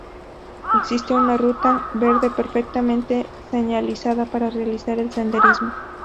Existe una ruta verde perfectamente señalizada para realizar el senderismo.